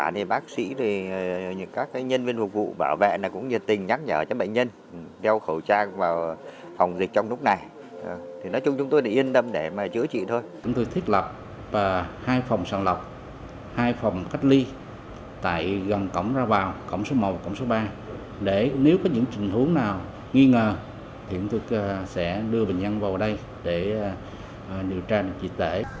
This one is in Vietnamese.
nếu có những trình hướng nào nghi ngờ thì chúng tôi sẽ đưa bệnh nhân vào đây để điều tra điều trị tệ